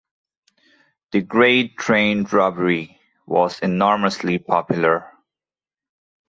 "The Great Train Robbery" was enormously popular.